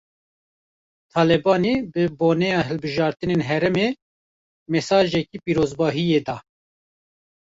Talebanî bi boneya hilbijartinên herêmê, mesajeke pîrozbahiyê da